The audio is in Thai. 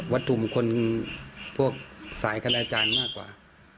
วัตถุมคุณพวกสายขนาจารย์มากกว่า